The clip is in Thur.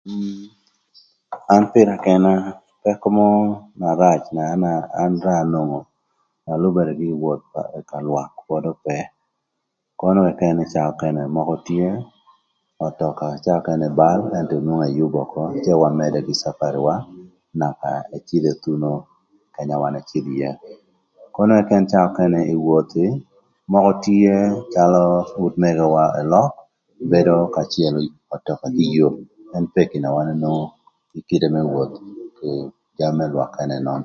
An pïra këna pëkö mörö na rac na raa anwongo na lübërë kï woth kï gin më woth ka lwak pod ope. Kono këkën caa ökënë mökö tye ötöka caa ökënë balë ëntö nwongo ëyübö ökö cë wamëdë kï capariwa naka ëcïdhö ethuno kanya wan ëcïdh ïë. Kono këkën caa ökënë gin ï wothi mökö tye calö utmegowa ëlök bedo kacelo ötöka kï yoo ën peki na wan enwongo ï kite më woth kï jami më lwak ënönön.